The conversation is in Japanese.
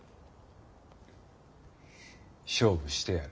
勝負してやる。